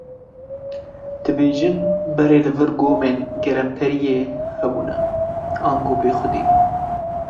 Dibêjin berê li vir gomên gelemperiyê hebûne, ango bêxwedî.